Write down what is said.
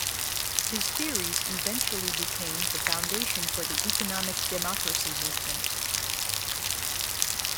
His theories eventually became the foundation for the economic democracy movement.